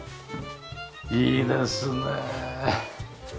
いいですねえ。